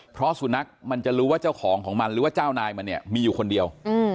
เพราะสุนัขมันจะรู้ว่าเจ้าของของมันหรือว่าเจ้านายมันเนี่ยมีอยู่คนเดียว